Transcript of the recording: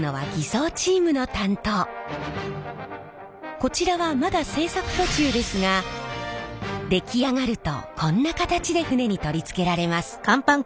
こちらはまだ製作途中ですが出来上がるとこんな形で船に取り付けられます。